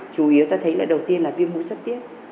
chủ yếu ta thấy là đầu tiên là viêm hút xuất tiết